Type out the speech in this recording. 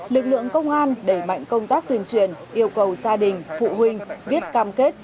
lực lượng công an đẩy mạnh công tác tuyên truyền yêu cầu gia đình phụ huynh viết cam kết